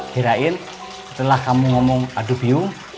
herain setelah kamu ngomong aduh biung